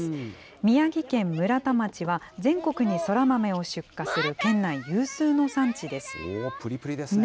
宮城県村田町は、全国にそら豆を出荷する県内有数の産地です。